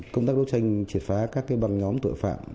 công tác đấu tranh triệt phá các băng nhóm tội phạm